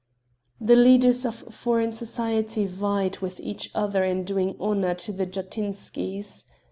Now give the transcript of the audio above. The leaders of foreign society vied with each other in doing honor to the Jatinskys.